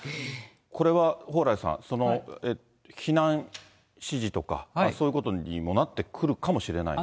これは蓬莱さん、その避難指示とか、そういうことにもなってくるかもしれない？